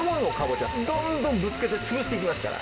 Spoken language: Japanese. どんどんぶつけて潰していきますから。